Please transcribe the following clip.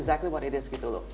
saya pikir itu benar benar itu